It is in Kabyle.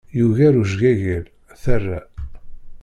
Yugar ujgagal, tara.